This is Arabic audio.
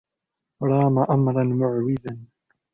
رَامَ أَمْرًا مُعْوِزًا